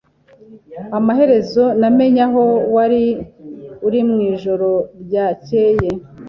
Amaherezo namenye aho wari uri mwijoro ryakeye.